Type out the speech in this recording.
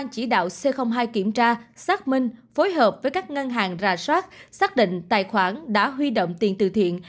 chỉ đạo c hai kiểm tra xác minh phối hợp với các ngân hàng rà soát xác định tài khoản đã huy động tiền từ thiện